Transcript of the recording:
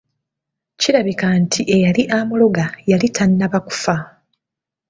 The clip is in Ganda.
Kirabika nti eyali amuloga yali tannaba kufa.